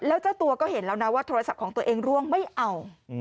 แล้วเจ้าตัวก็เห็นแล้วนะว่าโทรศัพท์ของตัวเองร่วงไม่เอา